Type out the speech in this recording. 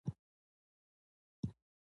زه فکر کوم دا الوتکه یوازې راشه درشه لپاره ده.